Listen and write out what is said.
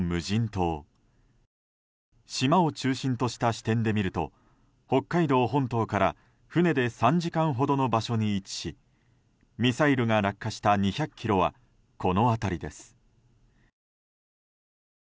島を中心とした視点で見ると北海道本島から船で３時間ほどの場所に位置しミサイルが落下した２００ｋｍはこの辺りです。